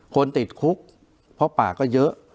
คนติดคุกเพราะป่าก็เยอะ